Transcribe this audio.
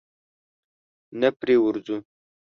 نه پرې ورځو؟